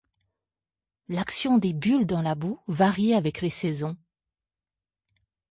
L'action des bulles dans la boue varie avec les saisons.